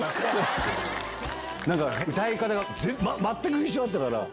なんか、歌い方が全く一緒だったから。